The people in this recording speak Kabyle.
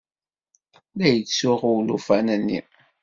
La yettsuɣu ulufan-nni.